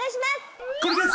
これです！